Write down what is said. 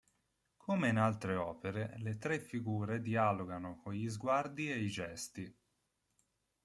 Come in altre opere, le tre figure dialogano con gli sguardi e i gesti.